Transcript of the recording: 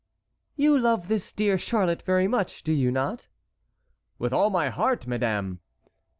"You love this dear Charlotte very much, do you not?" "With all my heart, madame!"